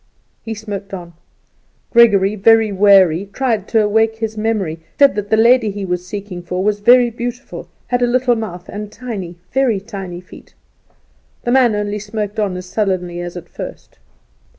He smoked on. Gregory, very weary, tried to wake his memory, said that the lady he was seeking for was very beautiful, had a little mouth, and tiny, very tiny, feet. The man only smoked on as sullenly as at first.